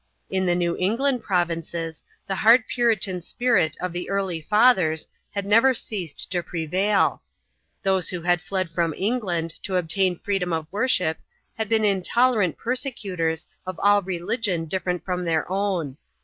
In the New England provinces the hard Puritan spirit of the early fathers had never ceased to prevail. Those who had fled from England to obtain freedom of worship had been intolerant persecutors of all religion different from their own.